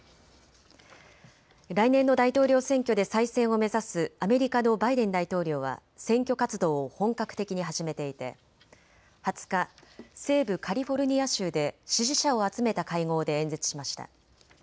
来年の大統領選挙で再選を目指すアメリカのバイデン大統領は選挙活動を本格的に始めていて２０日、西部カリフォルニア州で支持者を集めた会合で演説しました。